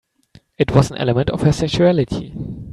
It was an element of her sexuality.